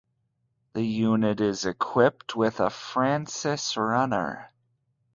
The unit is equipped with a Francis runner.